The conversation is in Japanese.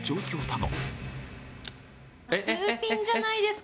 四筒じゃないですか？